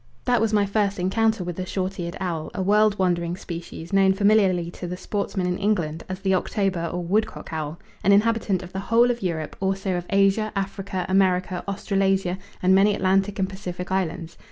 That was my first encounter with the short eared owl, a world wandering species, known familiarly to the sportsman in England as the October or woodcock owl; an inhabitant of the whole of Europe, also of Asia, Africa, America, Australasia, and many Atlantic and Pacific islands.